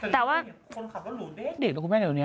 แต่ว่าคนขับรู้เลือกเด็ดแล้วคุณแม่ต่อเดี๋ยวนี้